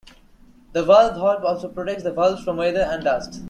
The valve hall also protects the valves from weather and dust.